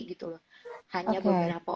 gitu loh hanya beberapa